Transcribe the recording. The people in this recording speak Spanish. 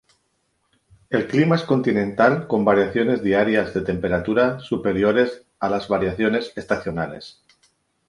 El clima es continental con variaciones diarias de temperatura superiores a las variaciones estacionales.